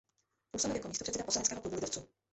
Působil jako místopředseda poslaneckého klubu lidovců.